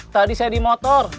tadi saya di motor